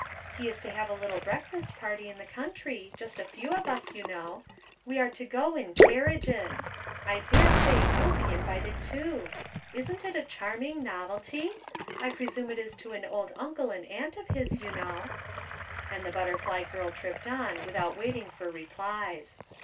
He is to have a little breakfast party in the country just a few of us, you know. We are to go in carriages. I dare say you'll be invited, too. Isn't it a charming novelty? I presume it is to an old uncle and aunt of his, you know," and the butterfly girl tripped on without waiting for replies.